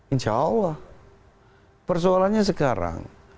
insya allah persoalannya sekarang